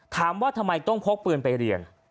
ถามว่าทำไมต้องพกปืนไปเรียน